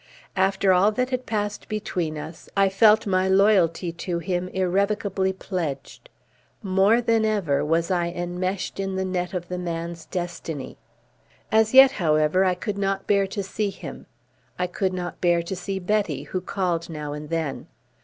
After all that had passed between us, I felt my loyalty to him irrevocably pledged. More than ever was I enmeshed in the net of the man's destiny. As yet, however, I could not bear to see him. I could not bear to see Betty, who called now and then.